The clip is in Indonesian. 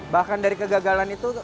bahkan dari kegagalan itu